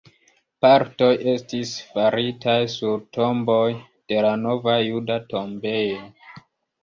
Partoj estis faritaj sur tomboj de la Nova juda tombejo.